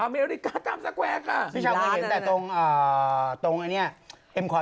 อเมริกาคลาสสแควร์ค่ะ